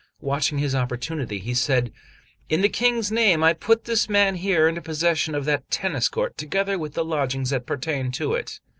Watching his opportunity, he said: "In the King's name I put this man here into possession of that tennis court, together with the lodgings that pertain to it."